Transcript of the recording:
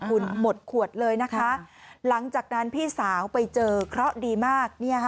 คุณหมดขวดเลยนะคะหลังจากนั้นพี่สาวไปเจอเคราะห์ดีมาก